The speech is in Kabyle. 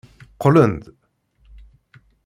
Qqlen-d.